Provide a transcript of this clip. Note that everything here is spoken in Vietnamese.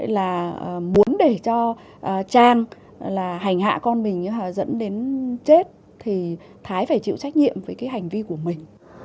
là muốn để cho trang là hành hạ con mình dẫn đến chết thì thái phải chịu trách nhiệm với cái hành vi của mình